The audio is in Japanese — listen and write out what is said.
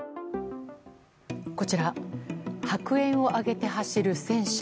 こちら、白煙を上げて走る戦車。